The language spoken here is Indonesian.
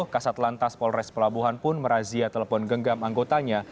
kasat lantas polres pelabuhan pun merazia telepon genggam anggotanya